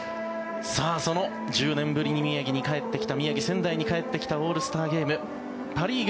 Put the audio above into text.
その１０年ぶりに宮城に帰ってきた宮城・仙台に帰ってきたオールスターゲームパ・リーグ